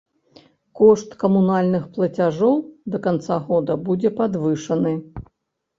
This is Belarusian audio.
Кошт камунальных плацяжоў да канца года будзе падвышаны.